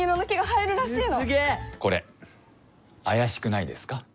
これあやしくないですか？